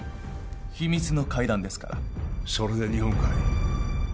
秘密の会談ですからそれで日本海